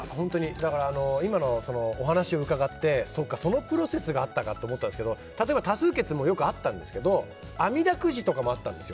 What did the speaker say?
今のお話を伺ってそうか、そのプロセスがあったかと思ったんですけど例えば多数決もよくあったんですけどあみだくじとかもあったんです。